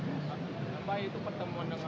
apa itu pertemuan dengan